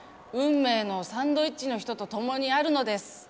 運命のサンドイッチの人と共にあるのです。